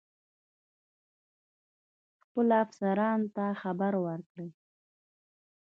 خپلو افسرانو ته خبر ورکړی.